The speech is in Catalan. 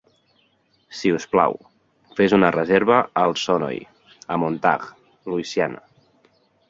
Sisplau, fes una reserva al Sonoy, a Montague, Louisiana.